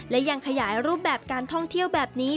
และยังขยายรูปแบบการท่องเที่ยวแบบนี้